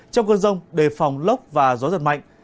trong cơn rông đề phòng lốc và gió giật mạnh